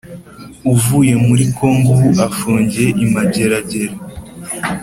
avuye muri Congo ubu afungiwe i Mageragere